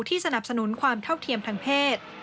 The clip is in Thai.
สนับสนุนความเท่าเทียมทางเพศ